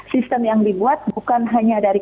sistem yang dibuat bukan hanya dari